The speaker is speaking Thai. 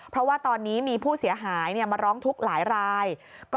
เพราะว่าตอนนี้มีผู้เสียหายมาร้องทุกข์หลายราย